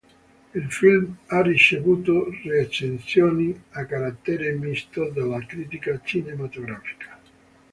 Il film ha ricevuto recensioni a carattere misto dalla critica cinematografica.